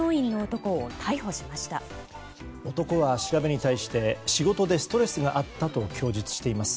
男は調べに対して仕事でストレスがあったと供述しています。